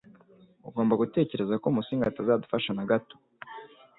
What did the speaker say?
Ugomba gutekereza ko Musinga atazadufasha na gato.